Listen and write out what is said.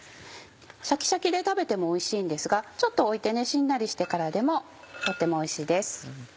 シャキシャキで食べてもおいしいんですがちょっと置いてしんなりしてからでもとてもおいしいです。